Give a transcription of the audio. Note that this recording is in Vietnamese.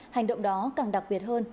hành động đó càng đặc biệt hơn